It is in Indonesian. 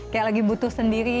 kayak lagi butuh sendiri